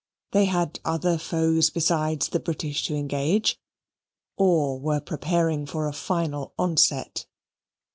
They had other foes besides the British to engage, or were preparing for a final onset.